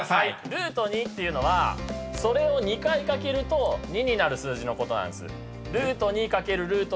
ルート２っていうのはそれを２回掛けると２になる数字のことなんです。